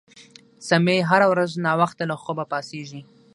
سمیع هره ورځ ناوخته له خوبه پاڅیږي